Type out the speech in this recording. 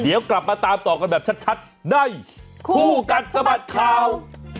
เดี๋ยวกลับมาตามต่อกันแบบชัดในคู่กัดสะบัดข่าว